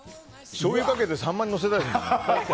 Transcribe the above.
しょうゆかけてサンマにのせたいもん。